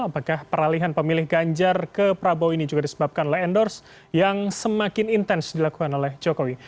apakah peralihan pemilih ganjar ke prabowo ini juga disebabkan oleh endorse yang semakin intens dilakukan oleh jokowi